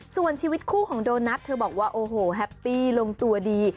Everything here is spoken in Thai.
ส่วนชีวิตคู่ของโดนัทเธอบอกว่าโอ้โหแฮปปี้ลงตัวดี